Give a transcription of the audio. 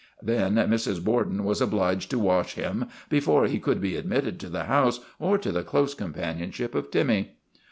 Then Mrs. Borden was obliged to wash him before he could be admitted to the house or to the close companionship of Timmy.